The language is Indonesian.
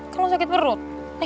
kan lo sakit perut